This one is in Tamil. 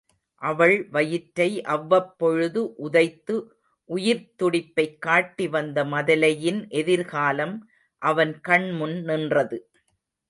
அவள் வயிற்றை அவ்வப்பொழுது உதைத்து உயிர்த் துடிப்பைக் காட்டி வந்த மதலையின் எதிர்காலம் அவன் கண்முன் நின்றது.